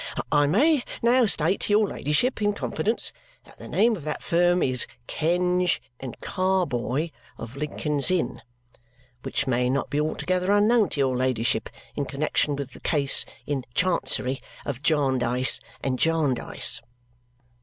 I may now state to your ladyship, in confidence, that the name of that firm is Kenge and Carboy, of Lincoln's Inn, which may not be altogether unknown to your ladyship in connexion with the case in Chancery of Jarndyce and Jarndyce."